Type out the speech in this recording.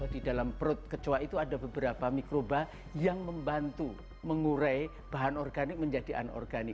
di dalam perut kecoa itu ada beberapa mikroba yang membantu mengurai bahan organik menjadi anorganik